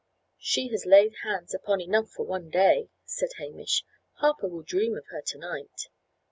"She has laid hands upon enough for one day," said Hamish. "Harper will dream of her to night."